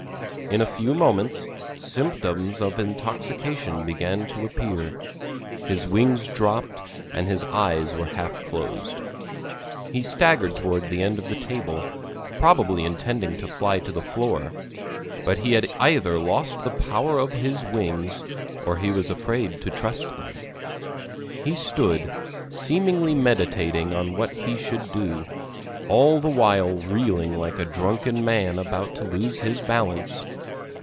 In a few moments symptoms of intoxication began to appear; his wings dropped and his eyes were half closed. He staggered towards the edge of the table, probably intending to fly to the floor, but he had either lost the power of his wings or he was afraid to trust them. He stood, seemingly meditating what he should do, all the while reeling like a drunken man about to lose his balance.